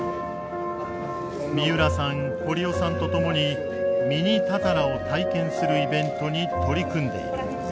三浦さん堀尾さんと共にミニたたらを体験するイベントに取り組んでいる。